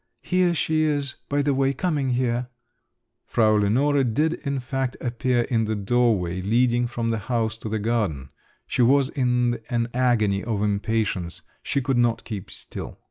Here she is, by the way, coming here." Frau Lenore did in fact appear in the doorway leading from the house to the garden. She was in an agony of impatience; she could not keep still.